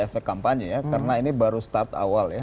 efek kampanye ya karena ini baru start awal ya